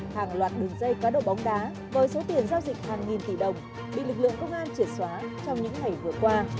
hàng loạt đường dây cá độ bóng đá với số tiền giao dịch hàng nghìn tỷ đồng bị lực lượng công an triển xóa trong những ngày vừa qua